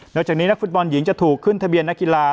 จากนี้นักฟุตบอลหญิงจะถูกขึ้นทะเบียนนักกีฬา